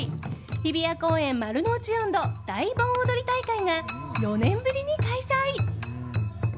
日比谷公園丸の内音頭大盆踊り大会が４年ぶりに開催。